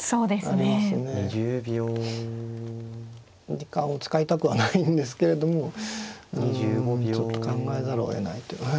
時間を使いたくはないんですけれどもうんちょっと考えざるをえないと。